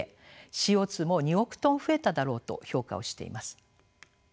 ＣＯも２億トン増えただろうと評価をしています。